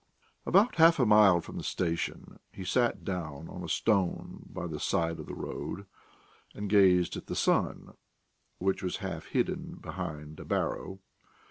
About half a mile from the station, he sat down on a stone by the side of the road, and gazed at the sun, which was half hidden behind a barrow.